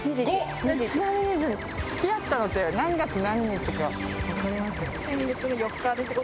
ちなみに付き合ったのって何月何日か分かります？